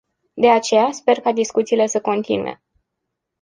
De aceea, sper ca discuțiile să continue.